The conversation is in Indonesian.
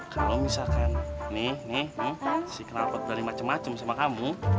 kalau misalkan nih nih si kelompok berani macem macem sama kamu